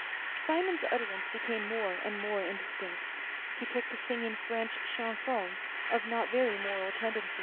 Simon's utterance became more and more indistinct. He took to singing French chansons of a not very moral tendency.